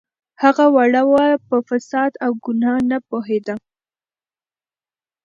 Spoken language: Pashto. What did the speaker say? هغه وړه وه په فساد او ګناه نه پوهیده